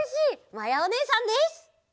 まやおねえさんです！